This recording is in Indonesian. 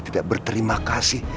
tidak berterima kasih